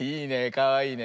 かわいいね。